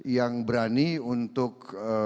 yang berani untuk